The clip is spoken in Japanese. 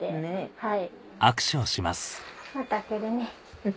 はい。